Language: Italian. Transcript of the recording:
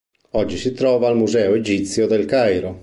Oggi si trova al Museo egizio del Cairo.